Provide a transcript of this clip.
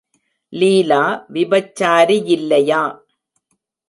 லீலா விபச்சாரி யில்லையா?